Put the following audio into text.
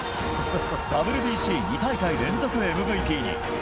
ＷＢＣ２大会連続ＭＶＰに。